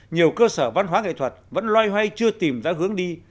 nhiều cơ sở văn hóa nghệ thuật vẫn loay hoay chưa tìm ra hướng đi